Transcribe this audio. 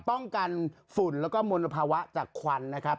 ป้องกันฝุ่นแล้วก็มลภาวะจากควันนะครับ